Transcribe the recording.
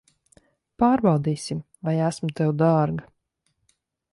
Pārbaudīsim, vai esmu tev dārga.